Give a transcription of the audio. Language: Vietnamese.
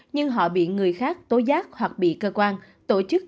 nhưng họ bị người khác tối giác hoặc bị cơ quan tổ chức